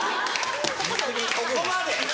・そこまで？